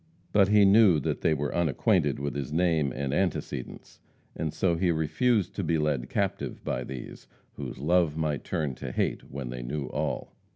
But he knew that they were unacquainted with his name and antecedents, and so he refused to be led captive by these, whose love might turn to hate when they knew all.